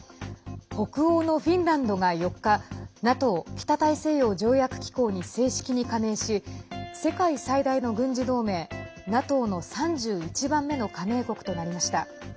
北欧のフィンランドが４日ＮＡＴＯ＝北大西洋条約機構に正式に加盟し世界最大の軍事同盟、ＮＡＴＯの３１番目の加盟国となりました。